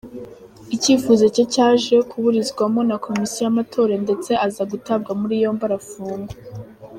Icyifuzo cye cyaje kuburizwamo na Komisiyo y'amatora ndetse aza gutabwa muri yombi arafungwa.